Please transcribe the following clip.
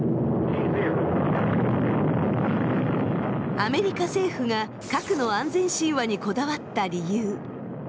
アメリカ政府が核の安全神話にこだわった理由。